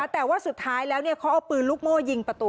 แต่ว่าสุดท้ายแล้วเขาเอาปืนลูกโม่ยิงประตู